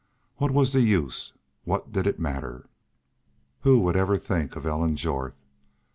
What was the use? What did it matter? Who would ever think of Ellen Jorth?